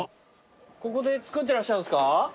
ここで作ってらっしゃるんすか？